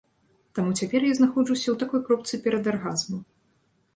Таму цяпер я знаходжуся ў такой кропцы перадаргазму.